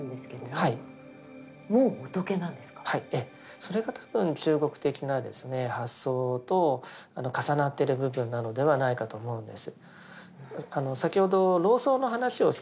それが多分中国的な発想と重なってる部分なのではないかと思うんです。